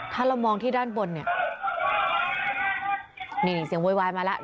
ถ้าเรามองที่ด้านบนเนี่ยนี่เสียงโวยวายมาแล้ว